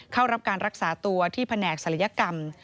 เข้ารับการรักษาตัวที่แผนกศัลยกรรม